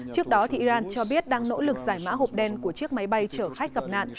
trước đó iran cho biết đang nỗ lực giải mã hộp đen của chiếc máy bay chở khách gặp nạn